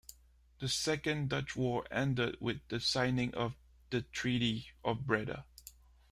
The Second Dutch War ended with the signing of the Treaty of Breda.